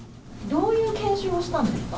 どういう研修をしたんですか？